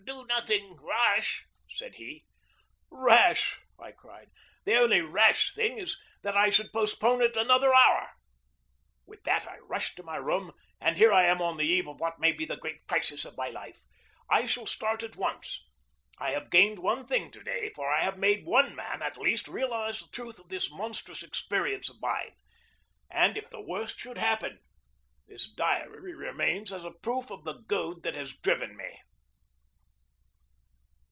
"Do nothing rash," said he. "Rash!" I cried. "The only rash thing is that I should postpone it another hour." With that I rushed to my room, and here I am on the eve of what may be the great crisis of my life. I shall start at once. I have gained one thing to day, for I have made one man, at least, realize the truth of this monstrous experience of mine. And, if the worst should happen, this diary remains as a proof of the goad that has driven me.